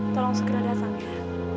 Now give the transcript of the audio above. tolong segera datang ya